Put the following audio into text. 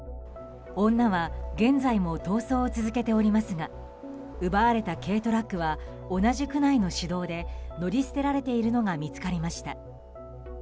女は現在も逃走を続けておりますが奪われた軽トラックは同じ区内の市道で乗り捨てられているのが見つかりました。